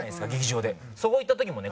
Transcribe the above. そこ行った時もね